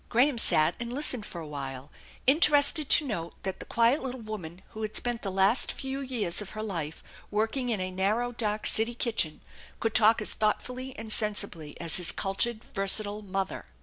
Graham sat and listened for a while, interested to note that the quiet little woman who had spent the last few years of her life working in a narrow dark city kitchen could talk as thoughtfully and sensibly as his cultured, versatile mother.